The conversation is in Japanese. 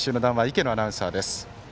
池野アナウンサーです。